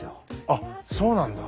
あっそうなんだ。